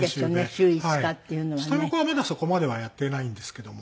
下の子はまだそこまではやっていないんですけども。